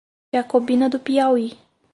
Jacobina do Piauí